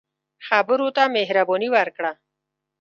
خبرو ته مهرباني ورکړه